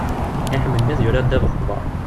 Iḥemmel mmi ad yurar ddabex n uḍar.